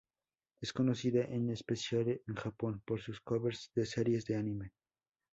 Es conocida en especial en Japón por sus covers de series de anime.